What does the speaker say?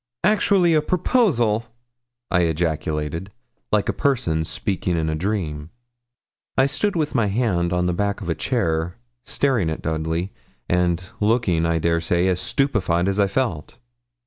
'Actually a proposal!' I ejaculated, like a person speaking in a dream. I stood with my hand on the back of a chair, staring at Dudley; and looking, I dare say, as stupefied as I felt.